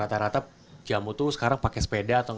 dari dulu memang digendong